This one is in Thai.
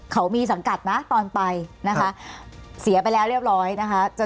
เขามีสังกัดนะตอนไปนะคะเสียไปแล้วเรียบร้อยนะคะ